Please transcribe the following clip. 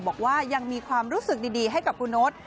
บอกว่ายังมีความรู้สึกดีให้กับคุณโน๊ต